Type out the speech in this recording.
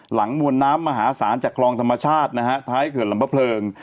มวลน้ำมหาศาลจากคลองธรรมชาตินะฮะท้ายเขื่อนลำพะเพลิง